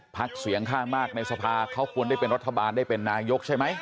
เสียงข้างมากในสภาเขาควรได้เป็นรัฐบาลได้เป็นนายกใช่ไหม